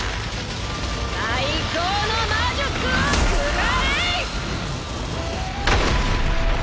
最高の魔術を食らえ！